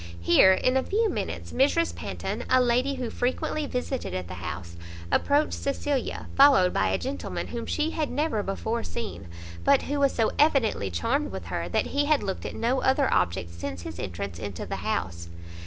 Here, in a few minutes, Mrs Panton, a lady who frequently visited at the house, approached Cecilia, followed by a gentleman, whom she had never before seen, but who was so evidently charmed with her, that he had looked at no other object since his entrance into the house.